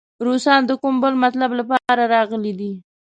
روسان د کوم بل مطلب لپاره راغلي دي.